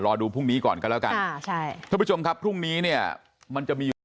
รอดูพรุ่งนี้ก่อนกันแล้วกันอ่าใช่ทุกผู้ชมครับพรุ่งนี้เนี่ยมันจะมี